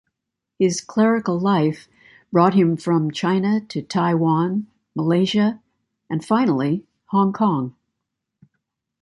His clerical life brought him from China to Taiwan, Malaysia and, finally, Hong Kong.